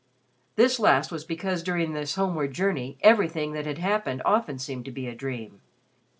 This last was because during this homeward journey everything that had happened often seemed to be a dream.